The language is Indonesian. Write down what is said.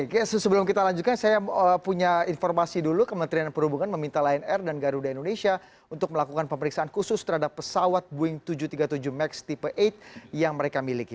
oke sebelum kita lanjutkan saya punya informasi dulu kementerian perhubungan meminta lion air dan garuda indonesia untuk melakukan pemeriksaan khusus terhadap pesawat boeing tujuh ratus tiga puluh tujuh max tipe delapan yang mereka miliki